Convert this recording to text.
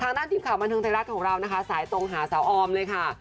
ทางด้านดินข่ามันทึงในรัฐของเราน่ะคะสายตรงหาสาวออมเลยค่ะ